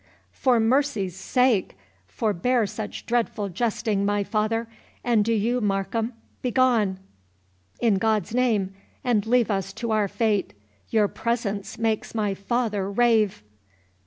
"For mercy's sake, forbear such dreadful jesting, my father! and do you, Markham, begone, in God's name, and leave us to our fate—your presence makes my father rave."